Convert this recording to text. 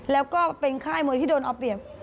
แล้วก็เป็นค่ายมวยที่โดนเอาเปรียบ